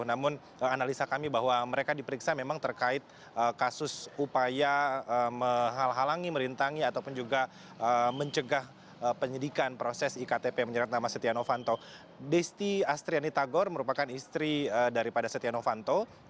namun analisa kami bahwa mereka diperiksa memang terkait kasus upaya menghalangi merintangi ataupun juga mencegah penyidikan proses iktp yang menyeret nama setianov fanto